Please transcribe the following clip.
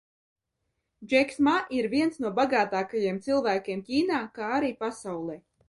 Džeks Ma ir viens no bagātākajiem cilvēkiem Ķīnā, kā arī pasaulē.